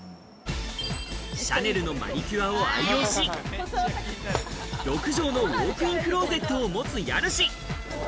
シャネルのマニキュアを愛用し、６畳のウォークインクローゼットを持つ家主。